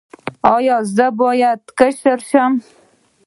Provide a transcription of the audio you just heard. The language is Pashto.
ایا زه باید کشر شم؟